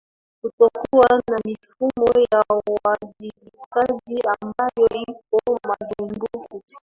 kutokuwa na mifumo ya uwajibikaji ambayo iko madhubuti